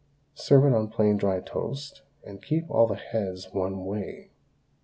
Serve it on plain dry toast, and keep all the heads one way.